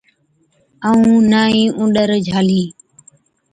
ائُون نہ ئِي اُونڏر جھالين۔